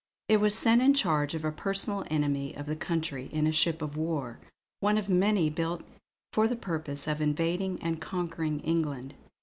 It was sent in charge of a personal enemy of the country in a ship of war, one of many built for the purpose of invading and conquering England.